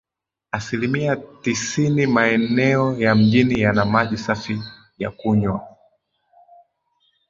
Asilimia tisini maeneo ya mjini yana maji safi ya kunywa